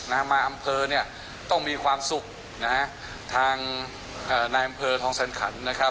มาอำเภอต้องมีความสุขทางนายอำเภอทองแสนขันฯ